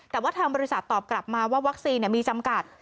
แต่ว่าทางบริษัทตอบกลับมาว่าวัคซีนมีจำกัด